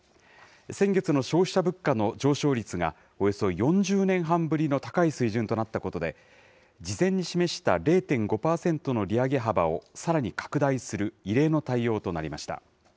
先月の消費者物価の上昇率が、およそ４０年半ぶりの高い水準となったことで、事前に示した０．５％の利上げ幅をさらに拡大する異例の対応となりました。